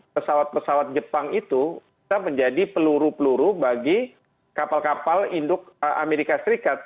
pesawat pesawat jepang itu bisa menjadi peluru peluru bagi kapal kapal induk amerika serikat